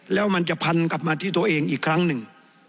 แล้วมันจะพันกลับมาที่ตัวเองอีกครั้งหนึ่ง